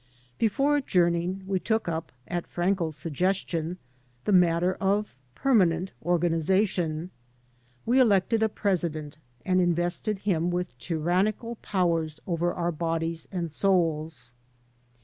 Before adjourning, we took up, at Frankel's sugges tion, the matter of permanent organization. We elected a president and invested him with tyrannical powers over our bodies and souls.